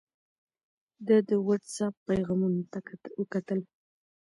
ده د وټس اپ پیغامونو ته وکتل.